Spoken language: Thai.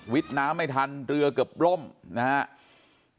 วิทย์น้ำไม่ทันเตือนรื่องค์ก็เกือบหล้มนะฮะ